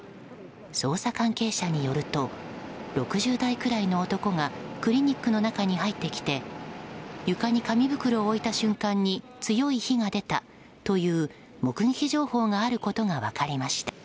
捜査関係者によると６０代くらいの男がクリニックの中に入ってきて床に紙袋を置いた瞬間に強い火が出たという目撃情報があることが分かりました。